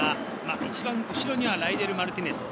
一番後ろにはライデル・マルティネス。